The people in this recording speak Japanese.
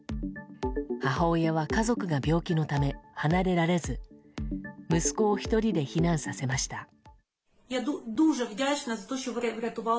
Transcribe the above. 母親は家族が病気のため離れられず息子を１人で避難させました。